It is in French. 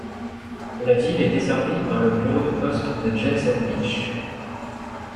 La ville est desservie par le bureau de poste de Jensen Beach.